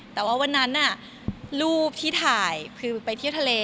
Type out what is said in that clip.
แต่ว่าวันนั้นรูปที่ถ่ายคือไปเที่ยวทะเล